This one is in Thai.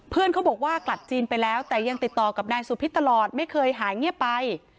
เขาบอกว่ากลับจีนไปแล้วแต่ยังติดต่อกับนายสุพิษตลอดไม่เคยหายเงียบไป